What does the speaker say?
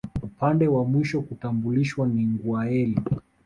Upande wa mwisho kutambulishwa ni Ngwâeli